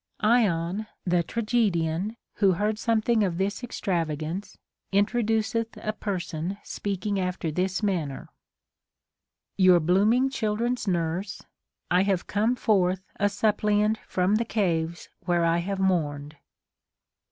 Ion, the tragedian, who heard some thing of this extravagance, introduceth a person speaking after this manner :— Your blooming children's nurse, I have come forth A suiipliant from the caves where I have mourned.